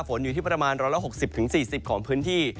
ฝนอยู่ที่ประมาณร้อยละ๖๐๔๐ของพื้นที่